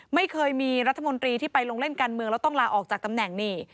ไม่เคยมีรัฐมนตรีที่ไปลงเล่นการเมืองแล้วต้องลาออกจากตำแหน่งนี่